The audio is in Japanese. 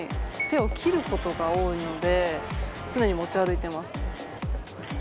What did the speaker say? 手を切る事が多いので常に持ち歩いてます。